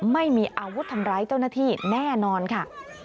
ไม่มีอาวุธทำร้ายเจ้าหน้าที่แน่นอนค่ะ